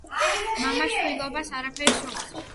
მამა შვილობას არაფერი სჯობს